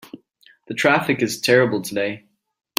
The traffic is terrible today.